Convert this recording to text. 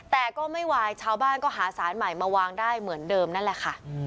แต่ก็ไม่ไหวชาวบ้านก็หาสารใหม่มาวางได้เหมือนเดิมนั่นแหละค่ะ